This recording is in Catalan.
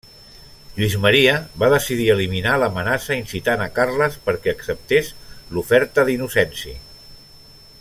Lluís Maria va decidir eliminar l'amenaça incitant a Carles perquè acceptés l'oferta d'Innocenci.